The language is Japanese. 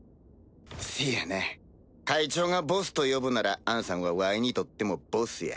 せやな会長がボスと呼ぶならあんさんはわいにとってもボスや。